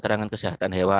terangkan kesehatan hewan